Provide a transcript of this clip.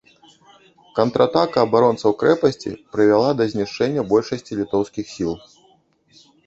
Контратака абаронцаў крэпасці прывяла да знішчэння большасці літоўскіх сіл.